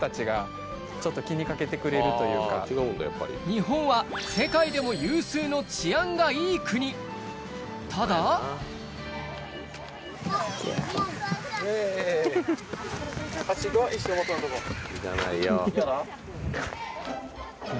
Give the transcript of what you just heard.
日本は世界でも有数の治安がいい国ただ一緒に基のとこ。